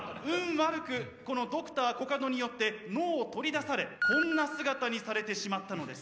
悪くこのＤｒ．コカドによって脳を取り出されこんな姿にされてしまったのです。